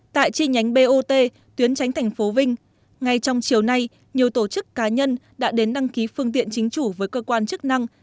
tại chi nhánh bot tuyến tránh thành phố vinh ngay trong chiều nay nhiều tổ chức cá nhân đã đến đăng ký phương tiện chính chủ với cơ quan chức năng